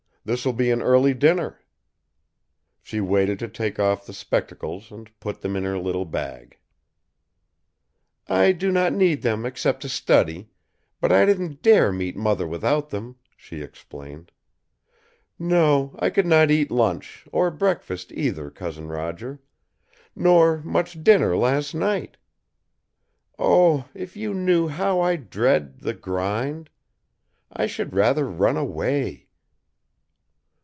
This will be an early dinner." She waited to take off the spectacles and put them in her little bag. "I do not need them except to study, but I didn't dare meet Mother without them," she explained. "No; I could not eat lunch, or breakfast either, Cousin Roger. Nor much dinner last night! Oh, if you knew how I dread the grind! I should rather run away."